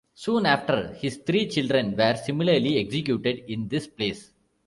Soon after, his three children were similarly executed in this place.